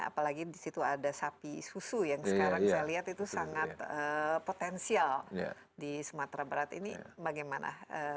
apalagi di situ ada sapi susu yang sekarang saya lihat itu sangat potensial di sumatera barat ini bagaimana